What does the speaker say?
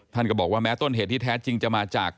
ท่านก็บอกว่าแม้ต้นเหตุที่แท้จริงจะมาจาก